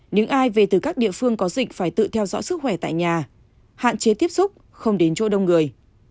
những ai về từ các địa phương có dịch phải tự theo dõi sức khỏe tại nhà hạn chế tiếp xúc không đến chỗ đông người